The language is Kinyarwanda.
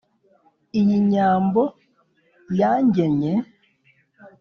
iyi nyambo yangennye